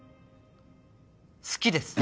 「好きです」